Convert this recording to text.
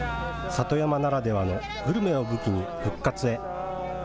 里山ならではのグルメを武器に復活へ。